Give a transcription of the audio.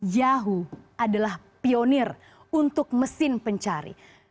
yahoo adalah pionir untuk mesin pencari